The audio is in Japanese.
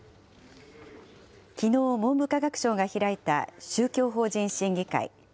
きのう、文部科学省が開いた宗教法人審議会。